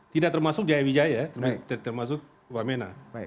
tidak termasuk jaya wijaya termasuk wamena